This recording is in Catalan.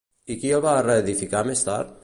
I qui el va reedificar més tard?